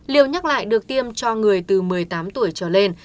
liều nhắc lại được tiêm cho người từ một mươi tám tuổi trở lên